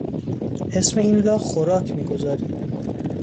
اسم این را خوراک میگذاری!